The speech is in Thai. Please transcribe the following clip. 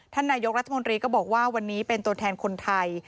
ท่านนายกรัฐมนตรีก็บอกว่าวันนี้เป็นตัวแทนคนไทย